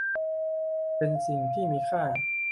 เป็นสิ่งที่มีค่า